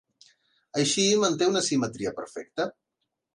Així, manté una simetria perfecta.